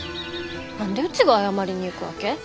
何でうちが謝りに行くわけ？